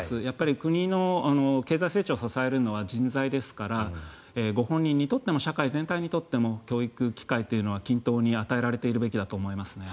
国の経済成長を支えるのは人材ですからご本人にとっても社会全体にとっても教育機会というのは均等に与えられているべきだと思いますね。